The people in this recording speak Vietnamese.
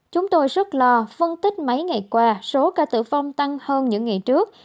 chúng tôi rất lo phân tích mấy ngày qua số ca tử vong tăng hơn những ngày trước